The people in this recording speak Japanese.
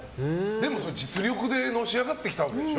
でも実力でのし上がってきたわけでしょ？